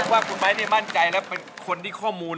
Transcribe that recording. ว่าคุณไม้ได้มั่นใจแล้วเป็นคนที่ข้อมูล